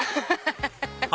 ハハハハ！